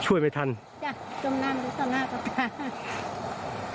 ช่วยไม่ทันจ้ะจมนั่งลูกศาลหน้ากับเค้า